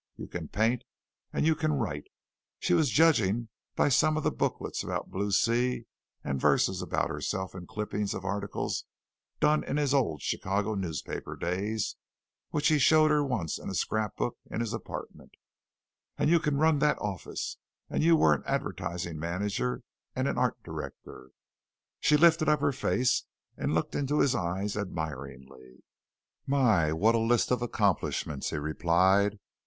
"You can paint, and you can write" she was judging by some of the booklets about Blue Sea and verses about herself and clippings of articles done in his old Chicago newspaper days, which he showed her once in a scrapbook in his apartment "and you can run that office, and you were an advertising manager and an art director." She lifted up her face and looked into his eyes admiringly. "My, what a list of accomplishments!" he replied.